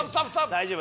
大丈夫？